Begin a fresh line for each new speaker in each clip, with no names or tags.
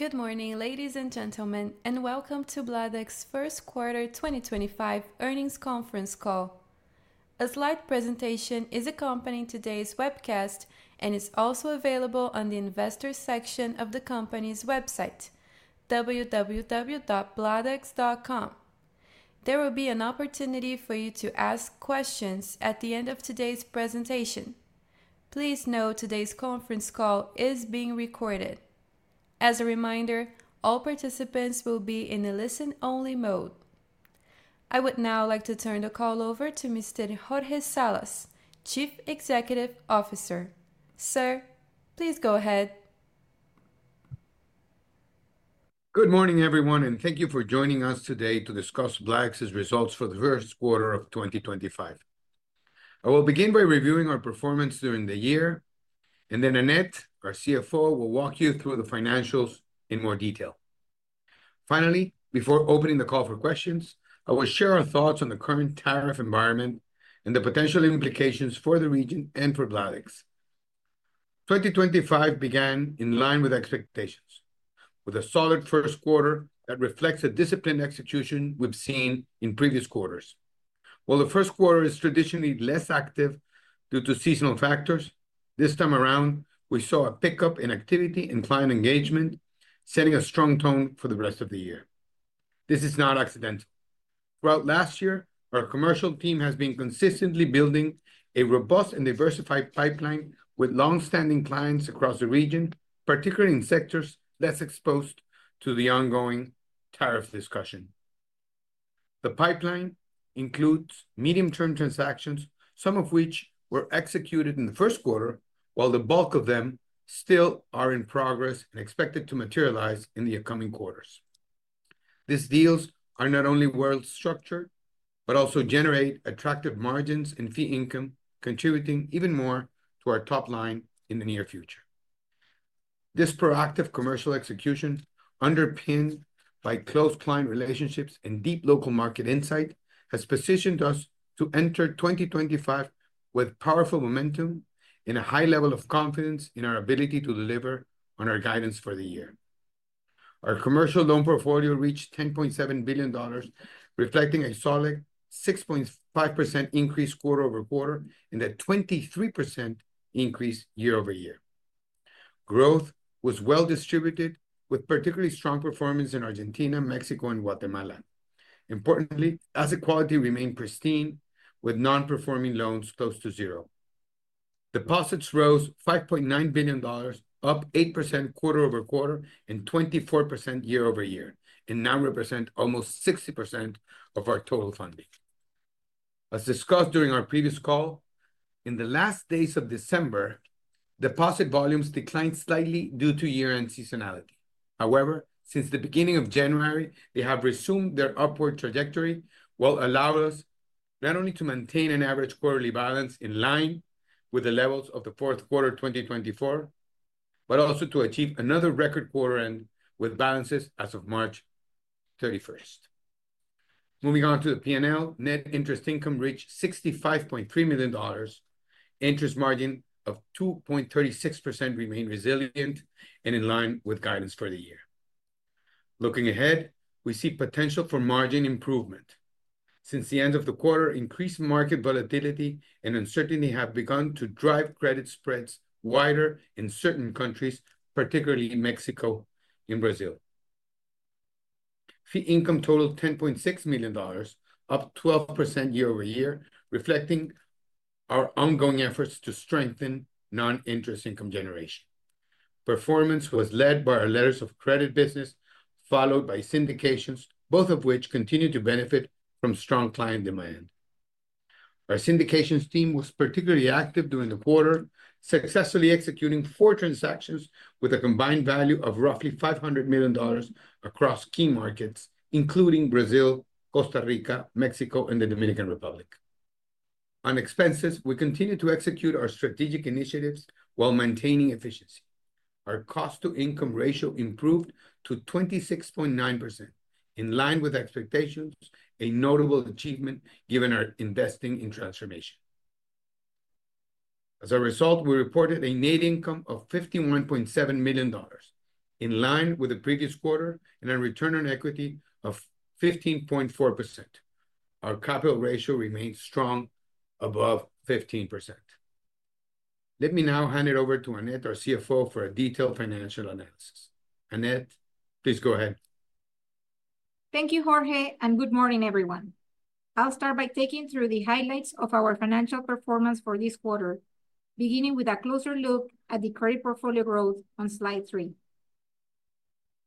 Good morning, ladies and gentlemen, and welcome to Bladex's First Quarter 2025 Earnings Conference Call. A slide presentation is accompanying today's webcast and is also available on the Investor section of the company's website, www.bladex.com. There will be an opportunity for you to ask questions at the end of today's presentation. Please note today's conference call is being recorded. As a reminder, all participants will be in a listen-only mode. I would now like to turn the call over to Mr. Jorge Salas, Chief Executive Officer. Sir, please go ahead.
Good morning, everyone, and thank you for joining us today to discuss Bladex's results for the first quarter of 2025. I will begin by reviewing our performance during the year, and then Annette, our CFO, will walk you through the financials in more detail. Finally, before opening the call for questions, I will share our thoughts on the current tariff environment and the potential implications for the region and for Bladex. 2025 began in line with expectations, with a solid first quarter that reflects the disciplined execution we've seen in previous quarters. While the first quarter is traditionally less active due to seasonal factors, this time around we saw a pickup in activity and client engagement, setting a strong tone for the rest of the year. This is not accidental. Throughout last year, our commercial team has been consistently building a robust and diversified pipeline with long-standing clients across the region, particularly in sectors less exposed to the ongoing tariff discussion. The pipeline includes medium-term transactions, some of which were executed in the first quarter, while the bulk of them still are in progress and expected to materialize in the upcoming quarters. These deals are not only well-structured but also generate attractive margins and fee income, contributing even more to our top line in the near future. This proactive commercial execution, underpinned by close client relationships and deep local market insight, has positioned us to enter 2025 with powerful momentum and a high level of confidence in our ability to deliver on our guidance for the year. Our commercial loan portfolio reached $10.7 billion, reflecting a solid 6.5% increase quarter over quarter and a 23% increase year over year. Growth was well-distributed, with particularly strong performance in Argentina, Mexico, and Guatemala. Importantly, asset quality remained pristine, with non-performing loans close to zero. Deposits rose $5.9 billion, up 8% quarter over quarter and 24% year over year, and now represent almost 60% of our total funding. As discussed during our previous call, in the last days of December, deposit volumes declined slightly due to year-end seasonality. However, since the beginning of January, they have resumed their upward trajectory, which allowed us not only to maintain an average quarterly balance in line with the levels of the fourth quarter 2024, but also to achieve another record quarter-end with balances as of March 31st. Moving on to the P&L, net interest income reached $65.3 million. Interest margin of 2.36% remained resilient and in line with guidance for the year. Looking ahead, we see potential for margin improvement. Since the end of the quarter, increased market volatility and uncertainty have begun to drive credit spreads wider in certain countries, particularly Mexico and Brazil. Fee income totaled $10.6 million, up 12% year over year, reflecting our ongoing efforts to strengthen non-interest income generation. Performance was led by our letters of credit business, followed by syndications, both of which continue to benefit from strong client demand. Our syndications team was particularly active during the quarter, successfully executing four transactions with a combined value of roughly $500 million across key markets, including Brazil, Costa Rica, Mexico, and the Dominican Republic. On expenses, we continue to execute our strategic initiatives while maintaining efficiency. Our cost-to-income ratio improved to 26.9%, in line with expectations, a notable achievement given our investing in transformation. As a result, we reported a net income of $51.7 million, in line with the previous quarter, and a return on equity of 15.4%. Our capital ratio remains strong, above 15%. Let me now hand it over to Annette, our CFO, for a detailed financial analysis. Annette, please go ahead.
Thank you, Jorge, and good morning, everyone. I'll start by taking you through the highlights of our financial performance for this quarter, beginning with a closer look at the credit portfolio growth on slide three.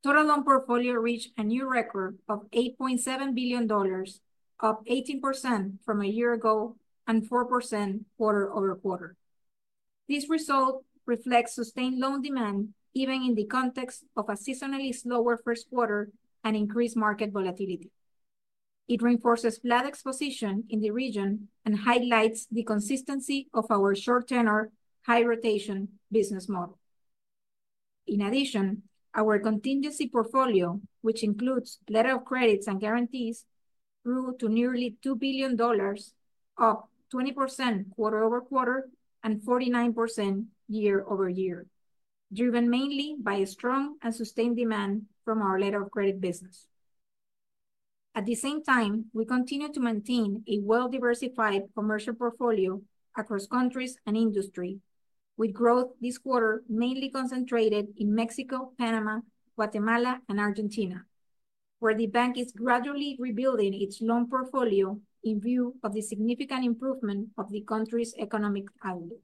Total loan portfolio reached a new record of $8.7 billion, up 18% from a year ago and 4% quarter over quarter. This result reflects sustained loan demand, even in the context of a seasonally slower first quarter and increased market volatility. It reinforces Bladex's position in the region and highlights the consistency of our short-tenor, high-rotation business model. In addition, our contingency portfolio, which includes letters of credit and guarantees, grew to nearly $2 billion, up 20% quarter over quarter and 49% year over year, driven mainly by strong and sustained demand from our letter of credit business. At the same time, we continue to maintain a well-diversified commercial portfolio across countries and industry, with growth this quarter mainly concentrated in Mexico, Panama, Guatemala, and Argentina, where the bank is gradually rebuilding its loan portfolio in view of the significant improvement of the country's economic outlook.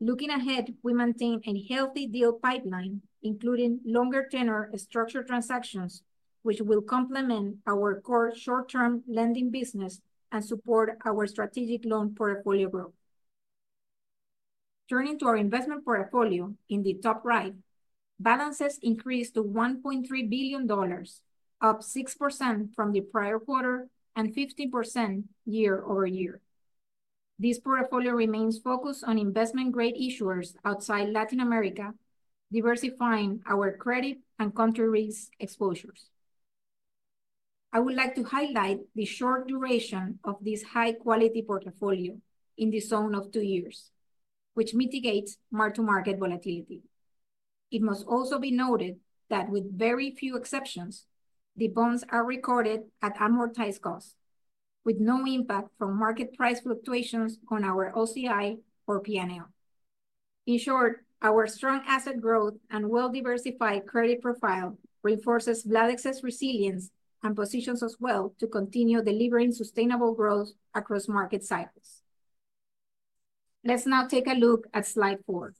Looking ahead, we maintain a healthy deal pipeline, including longer-tenor structured transactions, which will complement our core short-term lending business and support our strategic loan portfolio growth. Turning to our investment portfolio in the top right, balances increased to $1.3 billion, up 6% from the prior quarter and 15% year over year. This portfolio remains focused on investment-grade issuers outside Latin America, diversifying our credit and country risk exposures. I would like to highlight the short duration of this high-quality portfolio in the zone of two years, which mitigates mark-to-market volatility. It must also be noted that, with very few exceptions, the bonds are recorded at amortized cost, with no impact from market price fluctuations on our OCI or P&L. In short, our strong asset growth and well-diversified credit profile reinforces Bladex's resilience and positions us well to continue delivering sustainable growth across market cycles. Let's now take a look at slide four.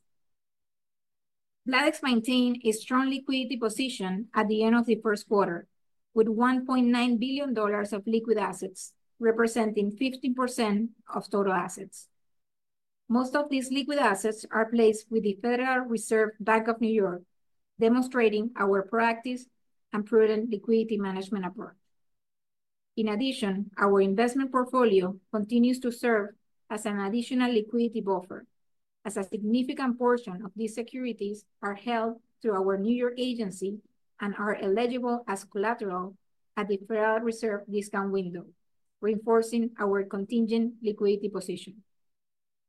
Bladex maintained a strong liquidity position at the end of the first quarter, with $1.9 billion of liquid assets representing 15% of total assets. Most of these liquid assets are placed with the Federal Reserve Bank of New York, demonstrating our proactive and prudent liquidity management approach. In addition, our investment portfolio continues to serve as an additional liquidity buffer, as a significant portion of these securities are held through our New York agency and are eligible as collateral at the Federal Reserve discount window, reinforcing our contingent liquidity position.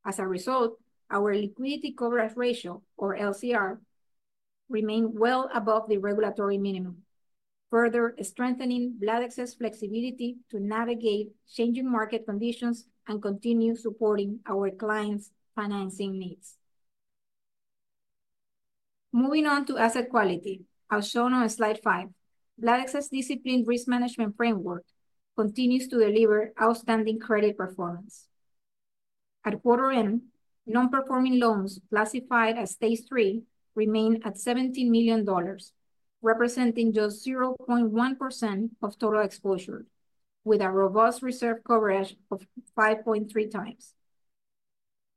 As a result, our liquidity coverage ratio, or LCR, remained well above the regulatory minimum, further strengthening Bladex's flexibility to navigate changing market conditions and continue supporting our clients' financing needs. Moving on to asset quality, as shown on slide five, Bladex's disciplined risk management framework continues to deliver outstanding credit performance. At quarter end, non-performing loans classified as stage three remain at $17 million, representing just 0.1% of total exposure, with a robust reserve coverage of 5.3 times.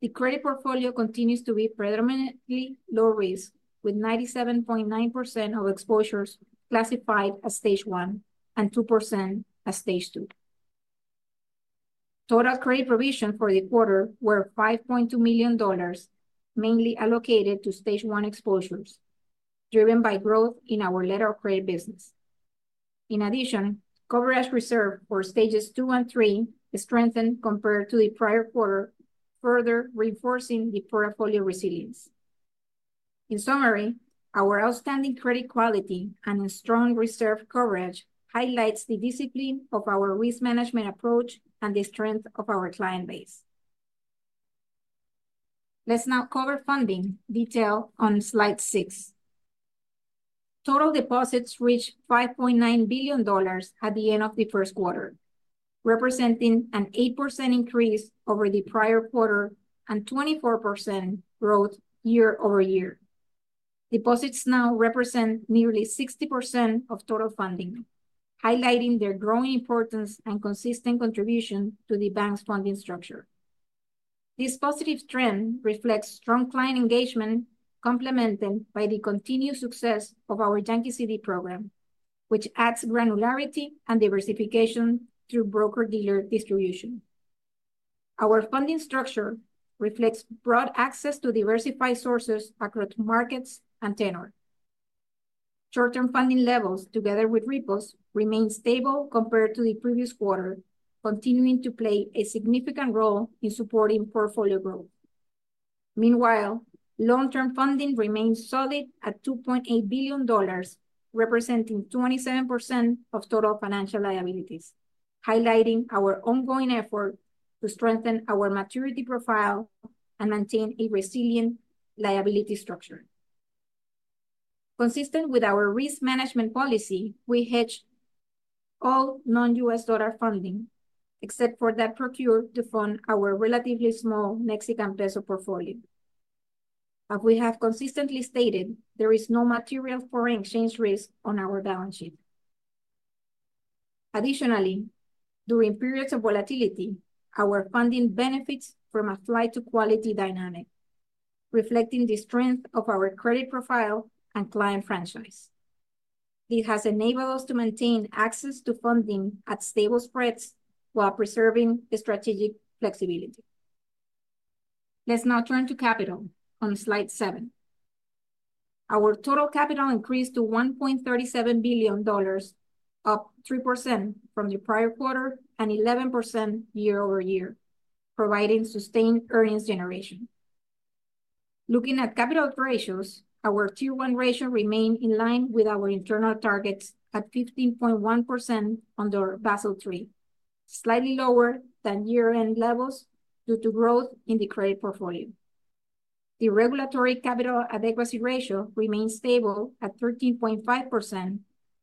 The credit portfolio continues to be predominantly low risk, with 97.9% of exposures classified as stage one and 2% as stage two. Total credit provision for the quarter was $5.2 million, mainly allocated to stage one exposures, driven by growth in our letter of credit business. In addition, coverage reserves for stages two and three strengthened compared to the prior quarter, further reinforcing the portfolio resilience. In summary, our outstanding credit quality and strong reserve coverage highlight the discipline of our risk management approach and the strength of our client base. Let's now cover funding detail on slide six. Total deposits reached $5.9 billion at the end of the first quarter, representing an 8% increase over the prior quarter and 24% growth year over year. Deposits now represent nearly 60% of total funding, highlighting their growing importance and consistent contribution to the bank's funding structure. This positive trend reflects strong client engagement, complemented by the continued success of our Yankee CD program, which adds granularity and diversification through broker-dealer distribution. Our funding structure reflects broad access to diversified sources across markets and tenor. Short-term funding levels, together with repos, remain stable compared to the previous quarter, continuing to play a significant role in supporting portfolio growth. Meanwhile, long-term funding remains solid at $2.8 billion, representing 27% of total financial liabilities, highlighting our ongoing effort to strengthen our maturity profile and maintain a resilient liability structure. Consistent with our risk management policy, we hedge all non-US dollar funding except for that procured to fund our relatively small Mexican peso portfolio. As we have consistently stated, there is no material foreign exchange risk on our balance sheet. Additionally, during periods of volatility, our funding benefits from a flight-to-quality dynamic, reflecting the strength of our credit profile and client franchise. It has enabled us to maintain access to funding at stable spreads while preserving strategic flexibility. Let's now turn to capital on slide seven. Our total capital increased to $1.37 billion, up 3% from the prior quarter and 11% year over year, providing sustained earnings generation. Looking at capital ratios, our tier one ratio remained in line with our internal targets at 15.1% under Basel III, slightly lower than year-end levels due to growth in the credit portfolio. The regulatory capital adequacy ratio remained stable at 13.5%,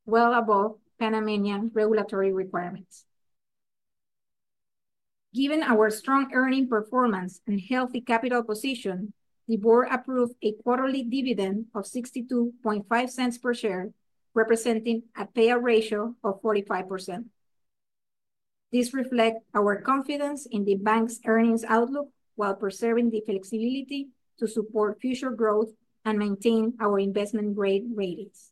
well above Panamanian regulatory requirements. Given our strong earning performance and healthy capital position, the board approved a quarterly dividend of $0.62 per share, representing a payout ratio of 45%. This reflects our confidence in the bank's earnings outlook while preserving the flexibility to support future growth and maintain our investment-grade ratings.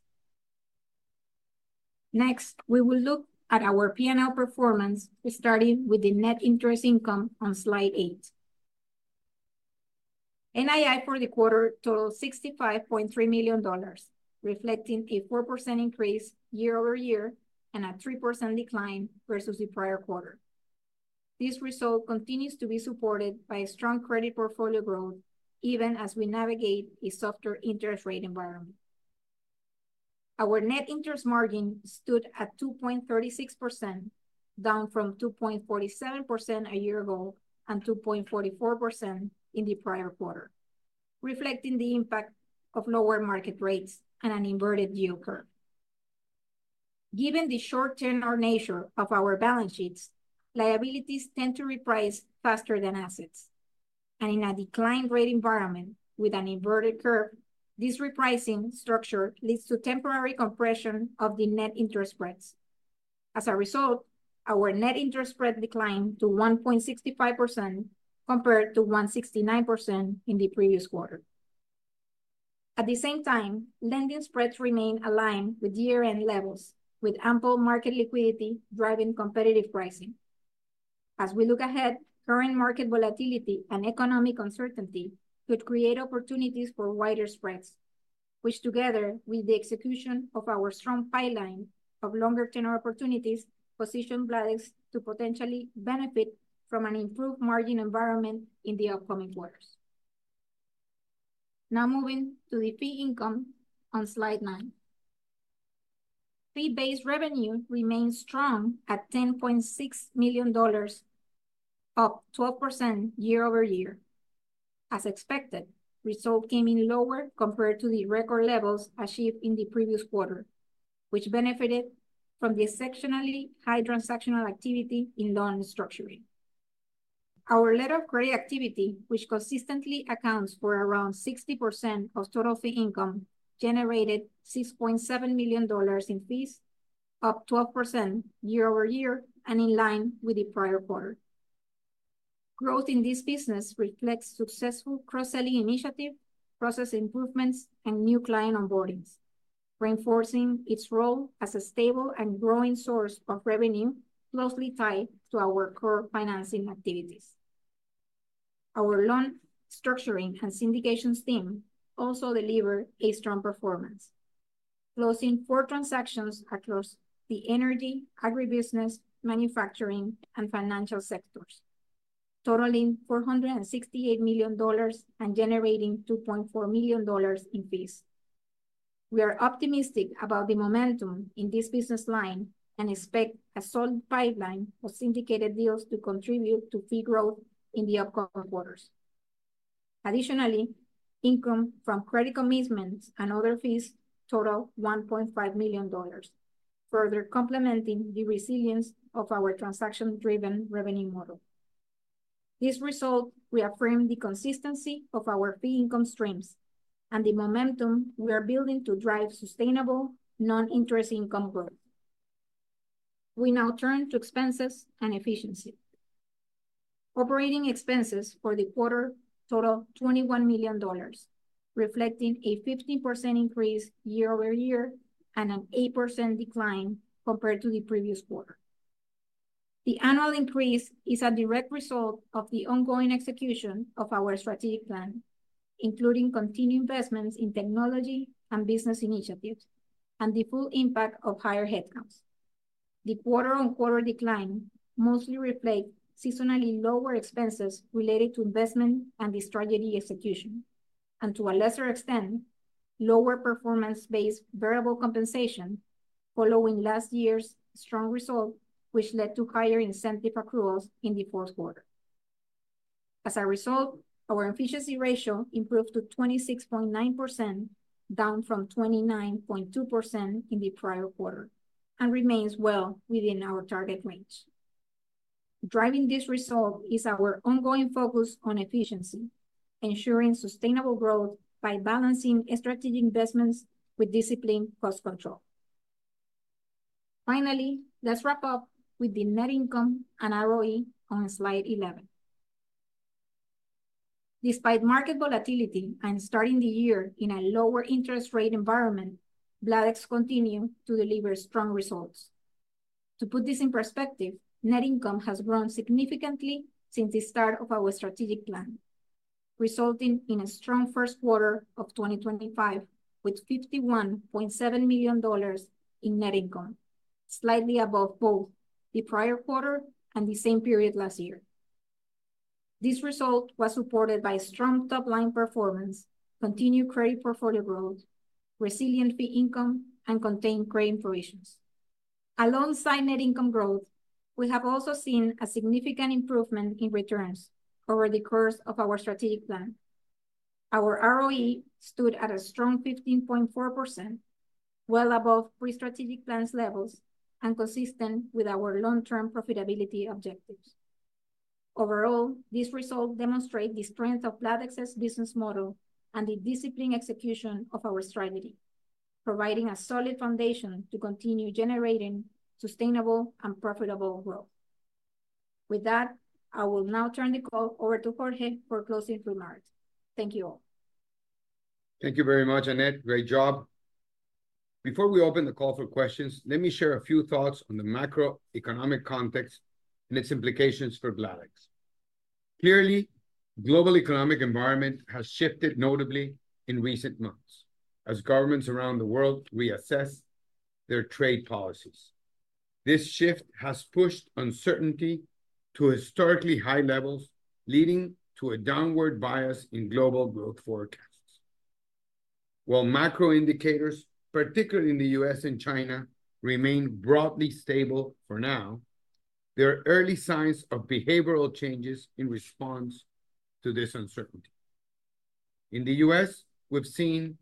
Next, we will look at our P&L performance, starting with the net interest income on slide eight. NII for the quarter totaled $65.3 million, reflecting a 4% increase year over year and a 3% decline versus the prior quarter. This result continues to be supported by strong credit portfolio growth, even as we navigate a softer interest rate environment. Our net interest margin stood at 2.36%, down from 2.47% a year ago and 2.44% in the prior quarter, reflecting the impact of lower market rates and an inverted yield curve. Given the short-tenor nature of our balance sheets, liabilities tend to reprice faster than assets. In a declining rate environment with an inverted curve, this repricing structure leads to temporary compression of the net interest spreads. As a result, our net interest spread declined to 1.65% compared to 1.69% in the previous quarter. At the same time, lending spreads remain aligned with year-end levels, with ample market liquidity driving competitive pricing. As we look ahead, current market volatility and economic uncertainty could create opportunities for wider spreads, which, together with the execution of our strong pipeline of longer-tenor opportunities, position Bladex to potentially benefit from an improved margin environment in the upcoming quarters. Now moving to the fee income on slide nine. Fee-based revenue remains strong at $10.6 million, up 12% year over year. As expected, results came in lower compared to the record levels achieved in the previous quarter, which benefited from the exceptionally high transactional activity in loan structuring. Our letter of credit activity, which consistently accounts for around 60% of total fee income, generated $6.7 million in fees, up 12% year over year and in line with the prior quarter. Growth in this business reflects successful cross-selling initiatives, process improvements, and new client onboardings, reinforcing its role as a stable and growing source of revenue closely tied to our core financing activities. Our loan structuring and syndications team also delivered a strong performance, closing four transactions across the energy, agribusiness, manufacturing, and financial sectors, totaling $468 million and generating $2.4 million in fees. We are optimistic about the momentum in this business line and expect a solid pipeline of syndicated deals to contribute to fee growth in the upcoming quarters. Additionally, income from credit commitments and other fees totaled $1.5 million, further complementing the resilience of our transaction-driven revenue model. This result reaffirmed the consistency of our fee income streams and the momentum we are building to drive sustainable non-interest income growth. We now turn to expenses and efficiency. Operating expenses for the quarter totaled $21 million, reflecting a 15% increase year over year and an 8% decline compared to the previous quarter. The annual increase is a direct result of the ongoing execution of our strategic plan, including continued investments in technology and business initiatives and the full impact of higher headcounts. The quarter-on-quarter decline mostly reflects seasonally lower expenses related to investment and the strategy execution, and to a lesser extent, lower performance-based variable compensation following last year's strong result, which led to higher incentive accruals in the fourth quarter. As a result, our efficiency ratio improved to 26.9%, down from 29.2% in the prior quarter, and remains well within our target range. Driving this result is our ongoing focus on efficiency, ensuring sustainable growth by balancing strategic investments with disciplined cost control. Finally, let's wrap up with the net income and ROE on slide 11. Despite market volatility and starting the year in a lower interest rate environment, Bladex continued to deliver strong results. To put this in perspective, net income has grown significantly since the start of our strategic plan, resulting in a strong first quarter of 2025 with $51.7 million in net income, slightly above both the prior quarter and the same period last year. This result was supported by strong top-line performance, continued credit portfolio growth, resilient fee income, and contained credit provisions. Alongside net income growth, we have also seen a significant improvement in returns over the course of our strategic plan. Our ROE stood at a strong 15.4%, well above pre-strategic plan levels and consistent with our long-term profitability objectives. Overall, this result demonstrates the strength of Bladex's business model and the disciplined execution of our strategy, providing a solid foundation to continue generating sustainable and profitable growth. With that, I will now turn the call over to Jorge for closing remarks. Thank you all.
Thank you very much, Annette. Great job. Before we open the call for questions, let me share a few thoughts on the macroeconomic context and its implications for Bladex. Clearly, the global economic environment has shifted notably in recent months as governments around the world reassess their trade policies. This shift has pushed uncertainty to historically high levels, leading to a downward bias in global growth forecasts. While macro indicators, particularly in the U.S. and China, remain broadly stable for now, there are early signs of behavioral changes in response to this uncertainty. In the U.S., we've seen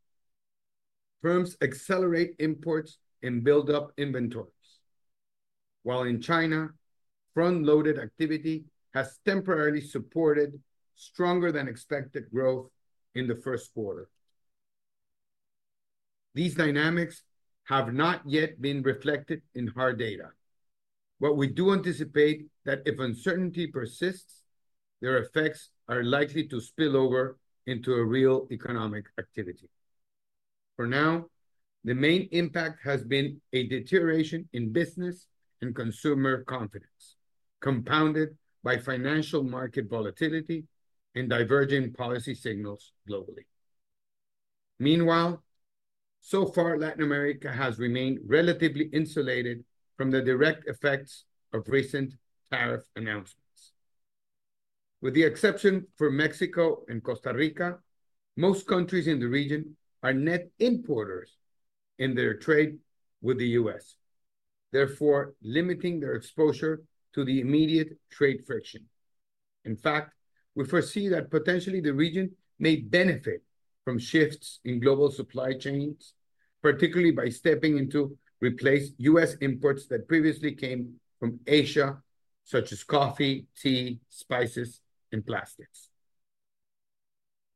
firms accelerate imports and build up inventories, while in China, front-loaded activity has temporarily supported stronger-than-expected growth in the first quarter. These dynamics have not yet been reflected in hard data, but we do anticipate that if uncertainty persists, their effects are likely to spill over into real economic activity. For now, the main impact has been a deterioration in business and consumer confidence, compounded by financial market volatility and diverging policy signals globally. Meanwhile, so far, Latin America has remained relatively insulated from the direct effects of recent tariff announcements. With the exception for Mexico and Costa Rica, most countries in the region are net importers in their trade with the U.S., therefore limiting their exposure to the immediate trade friction. In fact, we foresee that potentially the region may benefit from shifts in global supply chains, particularly by stepping in to replace U.S. imports that previously came from Asia, such as coffee, tea, spices, and plastics.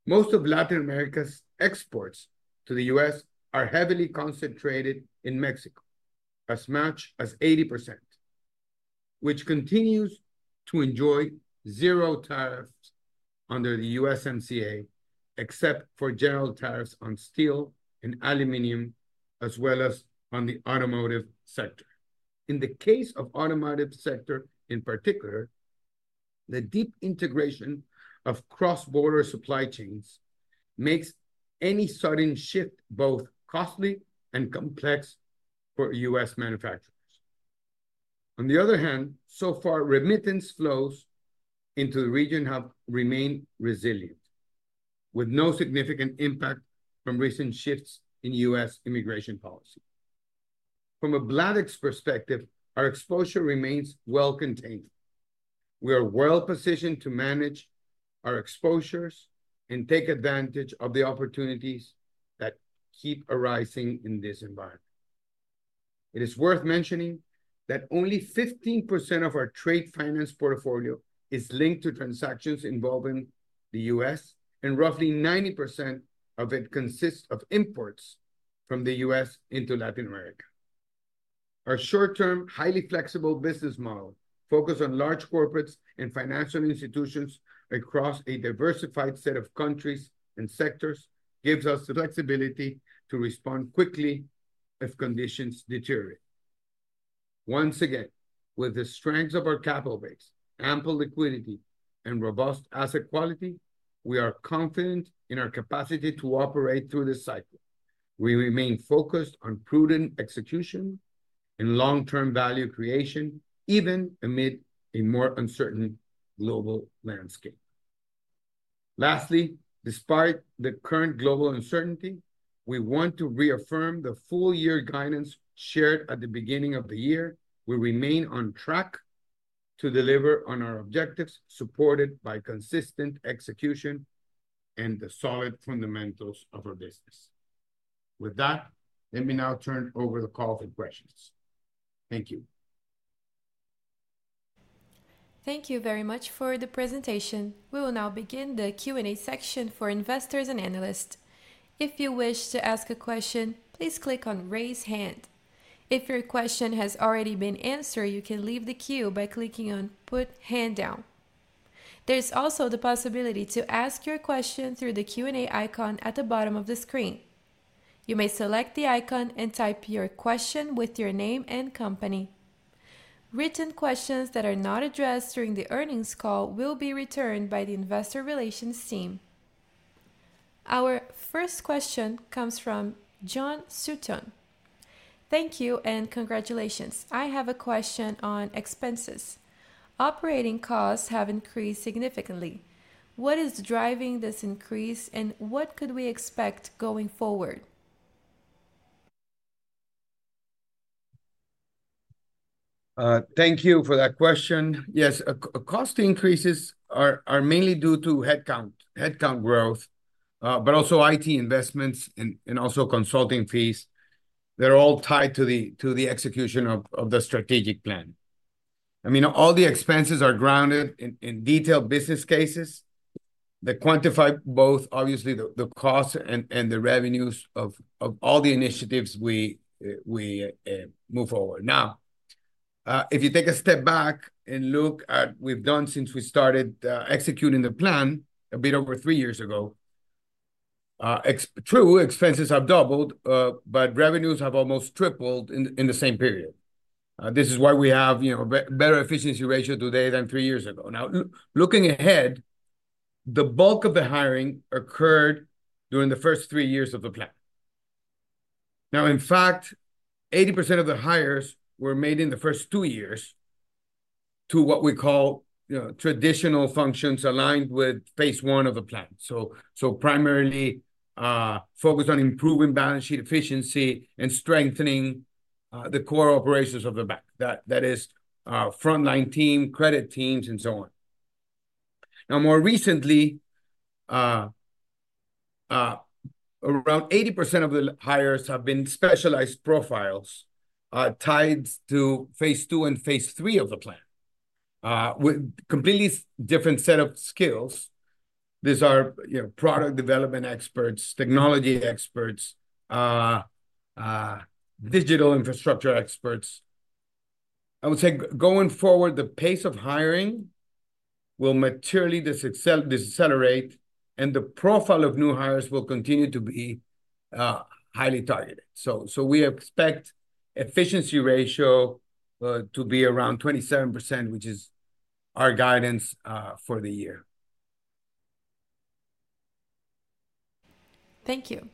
Most of Latin America's exports to the U.S. are heavily concentrated in Mexico, as much as 80%, which continues to enjoy zero tariffs under the USMCA, except for general tariffs on steel and aluminum, as well as on the automotive sector. In the case of the automotive sector in particular, the deep integration of cross-border supply chains makes any sudden shift both costly and complex for U.S. manufacturers. On the other hand, so far, remittance flows into the region have remained resilient, with no significant impact from recent shifts in U.S. immigration policy. From a Bladex perspective, our exposure remains well-contained. We are well-positioned to manage our exposures and take advantage of the opportunities that keep arising in this environment. It is worth mentioning that only 15% of our trade finance portfolio is linked to transactions involving the U.S., and roughly 90% of it consists of imports from the U.S. into Latin America. Our short-term, highly flexible business model, focused on large corporates and financial institutions across a diversified set of countries and sectors, gives us the flexibility to respond quickly if conditions deteriorate. Once again, with the strengths of our capital base, ample liquidity, and robust asset quality, we are confident in our capacity to operate through this cycle. We remain focused on prudent execution and long-term value creation, even amid a more uncertain global landscape. Lastly, despite the current global uncertainty, we want to reaffirm the full-year guidance shared at the beginning of the year. We remain on track to deliver on our objectives, supported by consistent execution and the solid fundamentals of our business. With that, let me now turn over the call for questions. Thank you.
Thank you very much for the presentation. We will now begin the Q&A section for investors and analysts. If you wish to ask a question, please click on "Raise Hand." If your question has already been answered, you can leave the queue by clicking on "Put Hand Down." There is also the possibility to ask your question through the Q&A icon at the bottom of the screen. You may select the icon and type your question with your name and company. Written questions that are not addressed during the earnings call will be returned by the Investor Relations Team. Our first question comes from John Sutton. Thank you and congratulations. I have a question on expenses. Operating costs have increased significantly. What is driving this increase, and what could we expect going forward?
Thank you for that question. Yes, cost increases are mainly due to headcount growth, but also IT investments and also consulting fees. They're all tied to the execution of the strategic plan. I mean, all the expenses are grounded in detailed business cases that quantify both, obviously, the costs and the revenues of all the initiatives we move forward. Now, if you take a step back and look at what we've done since we started executing the plan a bit over three years ago, true, expenses have doubled, but revenues have almost tripled in the same period. This is why we have a better efficiency ratio today than three years ago. Now, looking ahead, the bulk of the hiring occurred during the first three years of the plan. In fact, 80% of the hires were made in the first two years to what we call traditional functions aligned with phase one of the plan. Primarily focused on improving balance sheet efficiency and strengthening the core operations of the bank, that is, front-line team, credit teams, and so on. Now, more recently, around 80% of the hires have been specialized profiles tied to phase two and phase three of the plan, with a completely different set of skills. These are product development experts, technology experts, digital infrastructure experts. I would say going forward, the pace of hiring will materially decelerate, and the profile of new hires will continue to be highly targeted. We expect the efficiency ratio to be around 27%, which is our guidance for the year.
Thank you.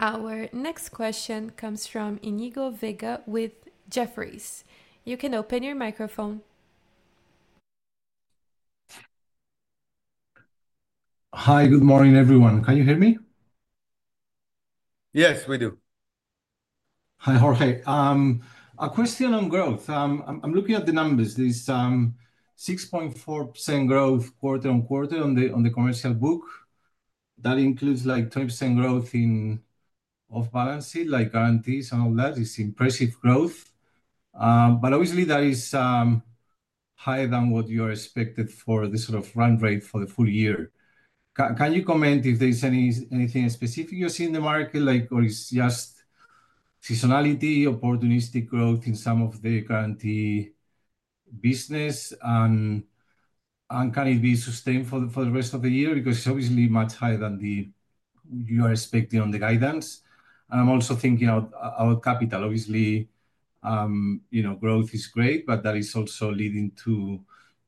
Our next question comes from Iñigo Vega with Jefferies. You can open your microphone.
Hi, good morning, everyone. Can you hear me?
Yes, we do.
Hi, Jorge. A question on growth. I'm looking at the numbers.
There's 6.4% growth quarter on quarter on the commercial book. That includes like 20% growth in off-balance sheet, like guarantees and all that. It's impressive growth. Obviously, that is higher than what you are expected for the sort of run rate for the full year. Can you comment if there's anything specific you're seeing in the market, or it's just seasonality, opportunistic growth in some of the guarantee business? Can it be sustained for the rest of the year? It's obviously much higher than what you are expecting on the guidance. I'm also thinking about capital. Obviously, growth is great, but that is also leading to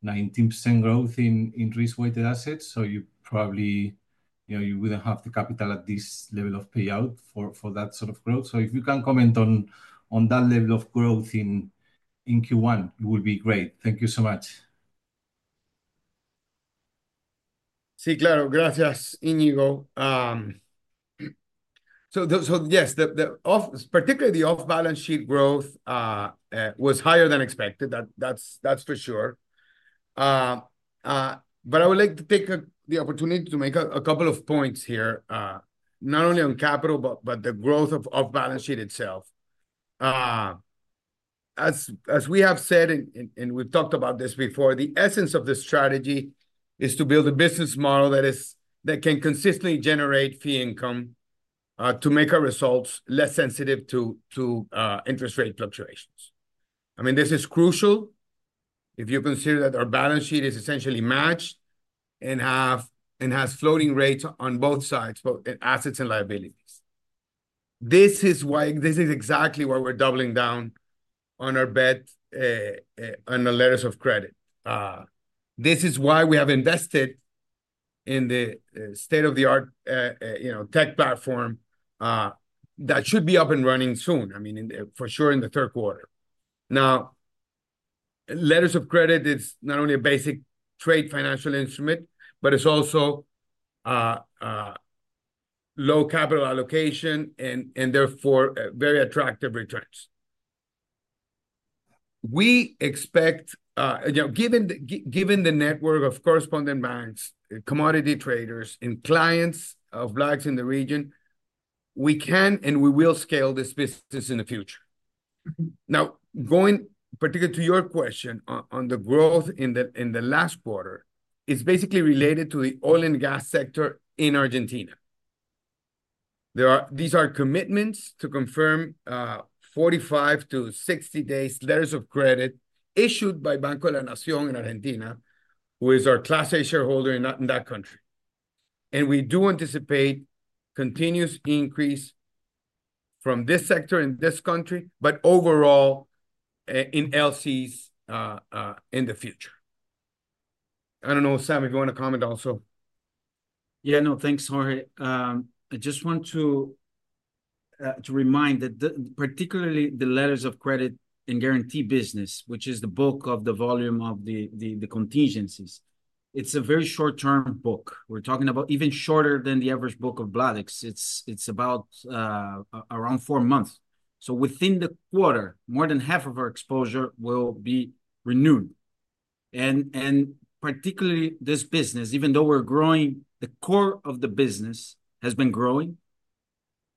19% growth in risk-weighted assets. You probably wouldn't have the capital at this level of payout for that sort of growth. If you can comment on that level of growth in Q1, it would be great. Thank you so much.
Sí, claro. Gracias, Iñigo. Yes, particularly the off-balance sheet growth was higher than expected. That's for sure. I would like to take the opportunity to make a couple of points here, not only on capital, but the growth of the off-balance sheet itself. As we have said, and we've talked about this before, the essence of the strategy is to build a business model that can consistently generate fee income to make our results less sensitive to interest rate fluctuations. I mean, this is crucial if you consider that our balance sheet is essentially matched and has floating rates on both sides, both assets and liabilities. This is exactly why we're doubling down on our bet on the letters of credit. This is why we have invested in the state-of-the-art tech platform that should be up and running soon, I mean, for sure, in the third quarter. Now, letters of credit is not only a basic trade financial instrument, but it's also low capital allocation and therefore very attractive returns. We expect, given the network of correspondent banks, commodity traders, and clients of Bladex in the region, we can and we will scale this business in the future. Now, going particularly to your question on the growth in the last quarter, it's basically related to the oil and gas sector in Argentina. These are commitments to confirm 45-60 days letters of credit issued by Banco de la Nación in Argentina, who is our class A shareholder in that country. We do anticipate continuous increase from this sector in this country, but overall in LCs in the future. I do not know, Sam, if you want to comment also.
Yeah, no, thanks, Jorge. I just want to remind that particularly the letters of credit and guarantee business, which is the bulk of the volume of the contingencies, it is a very short-term book. We are talking about even shorter than the average book of Bladex. It is about around four months. Within the quarter, more than half of our exposure will be renewed. Particularly this business, even though we are growing, the core of the business has been growing.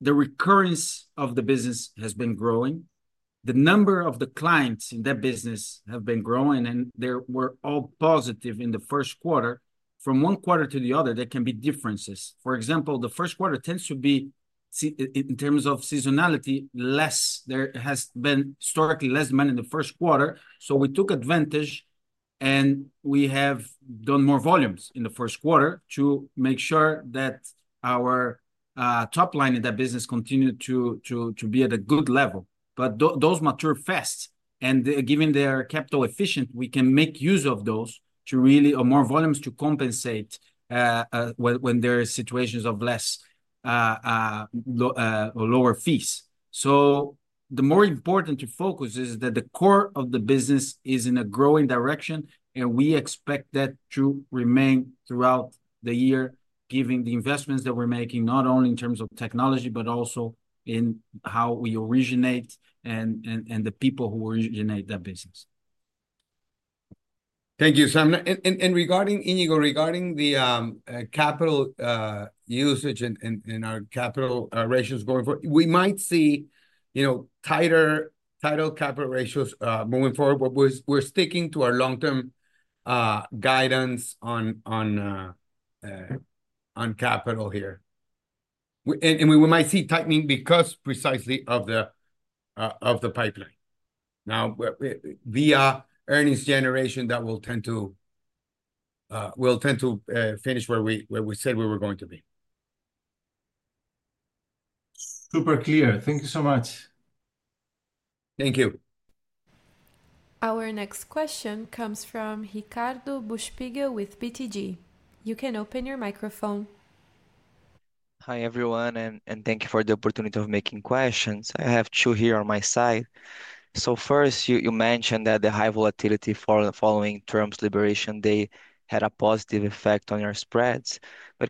The recurrence of the business has been growing. The number of the clients in that business have been growing, and they were all positive in the first quarter. From one quarter to the other, there can be differences. For example, the first quarter tends to be, in terms of seasonality, less. There has been historically less demand in the first quarter. We took advantage and we have done more volumes in the first quarter to make sure that our top line in that business continued to be at a good level. Those mature fast. Given they are capital efficient, we can make use of those to really have more volumes to compensate when there are situations of lower fees. The more important focus is that the core of the business is in a growing direction, and we expect that to remain throughout the year, given the investments that we're making, not only in terms of technology, but also in how we originate and the people who originate that business.
Thank you, Sam. Regarding, Iñigo, regarding the capital usage and our capital ratios going forward, we might see tighter capital ratios moving forward. We're sticking to our long-term guidance on capital here. We might see tightening because precisely of the pipeline. Now, via earnings generation, that will tend to finish where we said we were going to be.
Super clear. Thank you so much.
Thank you.
Our next question comes from Ricardo Buchpiguel with BTG. You can open your microphone.
Hi, everyone, and thank you for the opportunity of making questions. I have two here on my side. First, you mentioned that the high volatility following terms liberation, they had a positive effect on your spreads.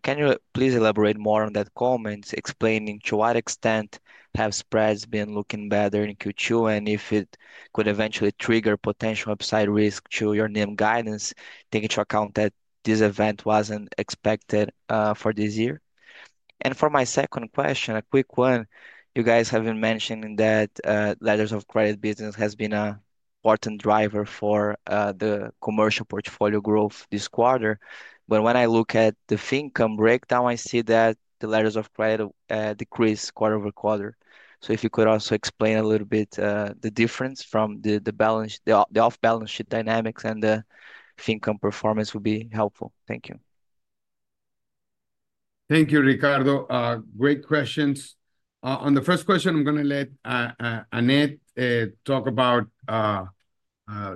Can you please elaborate more on that comment, explaining to what extent have spreads been looking better in Q2 and if it could eventually trigger potential upside risk to your NIM guidance, taking into account that this event was not expected for this year?
For my second question, a quick one, you guys have been mentioning that letters of credit business has been an important driver for the commercial portfolio growth this quarter. When I look at the fee income breakdown, I see that the letters of credit decrease quarter over quarter. If you could also explain a little bit the difference from the off-balance sheet dynamics and the fee income performance, it would be helpful. Thank you.
Thank you, Ricardo. Great questions. On the first question, I am going to let Annette talk about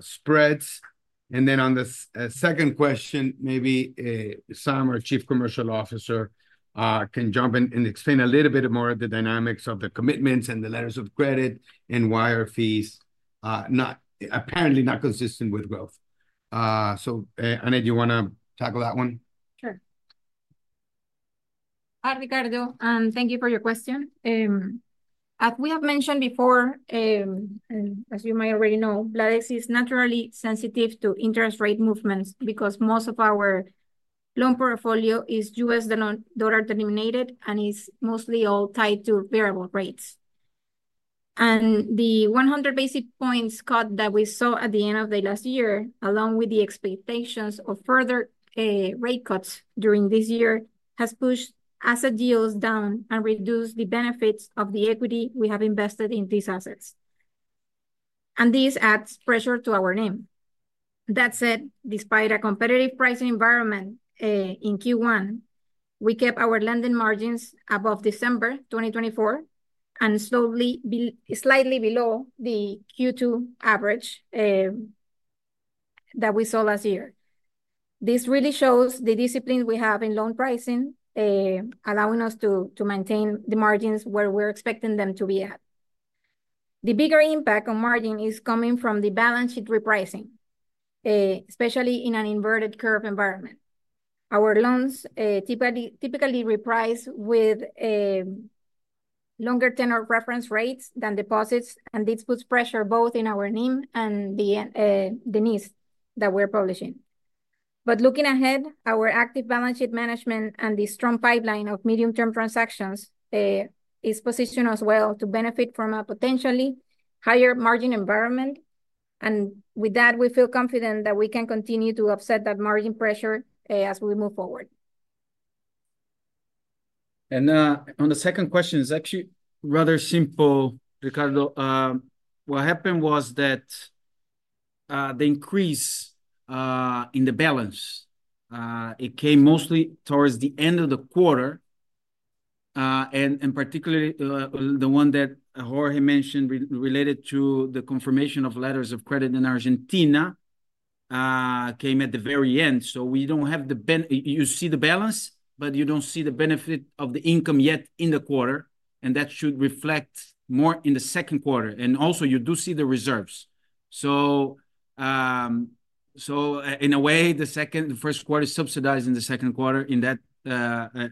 spreads. On the second question, maybe Sam, our Chief Commercial Officer, can jump in and explain a little bit more of the dynamics of the commitments and the letters of credit and wire fees, apparently not consistent with growth. Annette, do you want to tackle that one?
Sure. Hi, Ricardo. Thank you for your question. As we have mentioned before, and as you may already know, Bladex is naturally sensitive to interest rate movements because most of our loan portfolio is US dollar-denominated and is mostly all tied to variable rates. The 100 basis points cut that we saw at the end of the last year, along with the expectations of further rate cuts during this year, has pushed asset yields down and reduced the benefits of the equity we have invested in these assets. This adds pressure to our NIM. That said, despite a competitive pricing environment in Q1, we kept our lending margins above December 2024 and slightly below the Q2 average that we saw last year. This really shows the discipline we have in loan pricing, allowing us to maintain the margins where we're expecting them to be at. The bigger impact on margin is coming from the balance sheet repricing, especially in an inverted curve environment. Our loans typically reprice with longer tenor reference rates than deposits, and this puts pressure both in our NIM and the needs that we're publishing. Looking ahead, our active balance sheet management and the strong pipeline of medium-term transactions is positioned as well to benefit from a potentially higher margin environment. With that, we feel confident that we can continue to offset that margin pressure as we move forward.
On the second question, it's actually rather simple, Ricardo. What happened was that the increase in the balance, it came mostly towards the end of the quarter. Particularly the one that Jorge mentioned related to the confirmation of letters of credit in Argentina came at the very end. We do not have the, you see the balance, but you do not see the benefit of the income yet in the quarter. That should reflect more in the second quarter. You do see the reserves. In a way, the first quarter subsidized the second quarter in that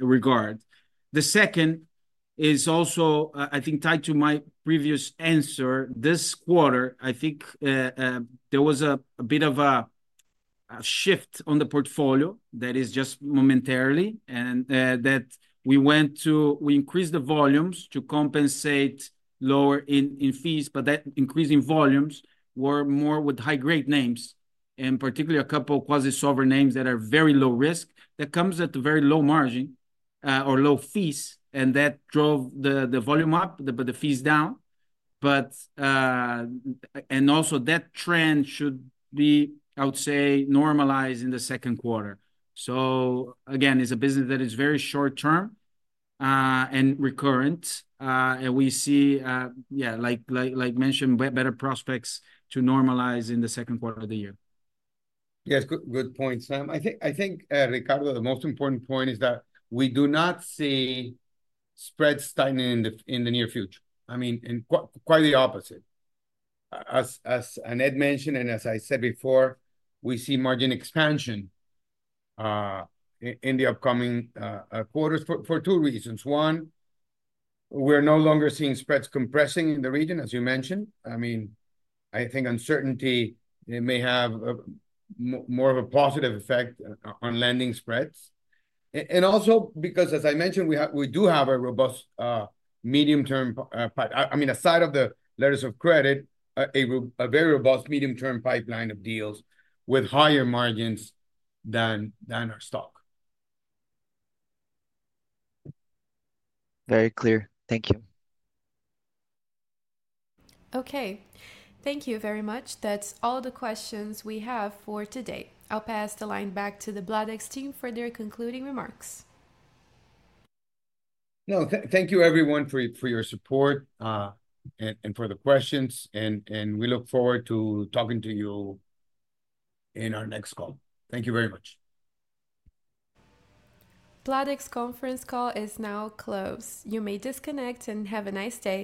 regard. The second is also, I think, tied to my previous answer. This quarter, I think there was a bit of a shift on the portfolio that is just momentarily, and that we increased the volumes to compensate lower in fees. That increase in volumes was more with high-grade names, and particularly a couple of quasi-sovereign names that are very low risk that comes at a very low margin or low fees. That drove the volume up, but the fees down. That trend should be, I would say, normalized in the second quarter. Again, it's a business that is very short-term and recurrent. We see, yeah, like mentioned, better prospects to normalize in the second quarter of the year.
Yes, good points, Sam. I think, Ricardo, the most important point is that we do not see spreads tightening in the near future. I mean, quite the opposite. As Annette mentioned, and as I said before, we see margin expansion in the upcoming quarters for two reasons. One, we're no longer seeing spreads compressing in the region, as you mentioned. I think uncertainty may have more of a positive effect on lending spreads. Also, because, as I mentioned, we do have a robust medium-term pipeline. Aside from the letters of credit, a very robust medium-term pipeline of deals with higher margins than our stock.
Very clear. Thank you.
Okay. Thank you very much. That's all the questions we have for today. I'll pass the line back to the Bladex team for their concluding remarks.
No, thank you, everyone, for your support and for the questions. We look forward to talking to you in our next call. Thank you very much.
Bladex conference call is now closed. You may disconnect and have a nice day.